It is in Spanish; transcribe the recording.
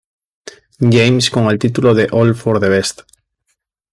James con el título de "All for the best".